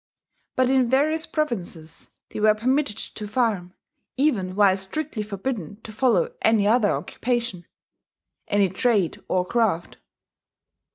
But in various provinces they were permitted to farm, even while strictly forbidden to follow any other occupation, any trade or craft....